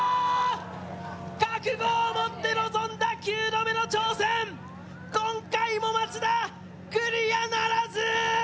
覚悟を持って臨んだ９度目の挑戦、今回も松田、クリアならず。